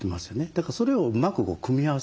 だからそれをうまく組み合わせると。